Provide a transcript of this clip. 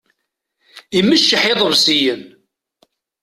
Imeččeḥ iḍebsiyen.